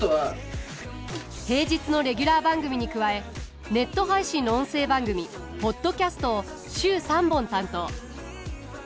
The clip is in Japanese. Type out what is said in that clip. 平日のレギュラー番組に加えネット配信の音声番組ポッドキャストを週３本担当。